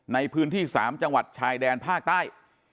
ในพื้นที่๓จังหวัดชายแดนภาคใต้